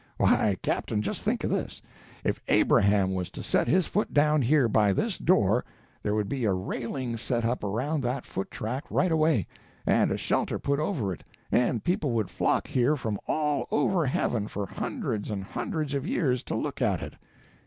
Why, Captain, just think of this: if Abraham was to set his foot down here by this door, there would be a railing set up around that foot track right away, and a shelter put over it, and people would flock here from all over heaven, for hundreds and hundreds of years, to look at it.